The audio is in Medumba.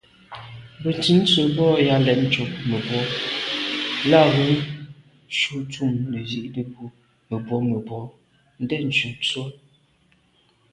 Bə̀nntʉ̌n tsə̀ bò yα̂ lɛ̌n ncob mə̀bwɔ lα ghʉ̌ cû ntʉ̀n nə̀ zi’tə bwə, mə̀bwɔ̂mə̀bwɔ ndɛ̂ncû nswə.